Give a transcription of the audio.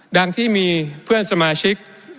ดังที่มีเพื่อนสมาชิก